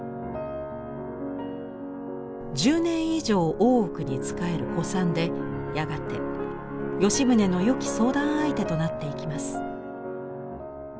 １０年以上大奥に仕える古参でやがて吉宗のよき相談相手となっていきます。